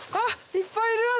いっぱいいるよ